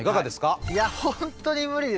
いや本当に無理ですね。